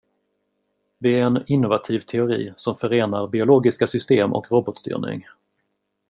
Det är en innovativ teori som förenar biologiska system och robotstyrning.